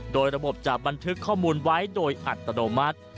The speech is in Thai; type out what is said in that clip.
โดยระบบจะบันทึกข้อมูลไว้โดยอัตโนมัติ